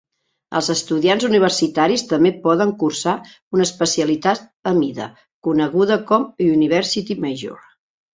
Els estudiants universitaris també poden cursar una especialitat a mida, coneguda com "University Major".